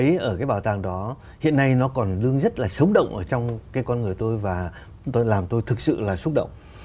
hãy nhìn vào cái bảo tàng đó hiện nay nó còn lương rất là xấu động vào trong cái con người tôi và làm tôi thực sự là xúc động